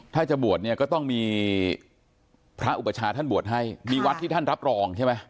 ถ้าจะบวชเนี่ยก็ต้องมีพระอุปชาท่านบวชให้มีวัดที่ท่านรับรองใช่ไหม